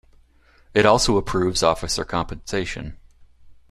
It also approves officer compensation.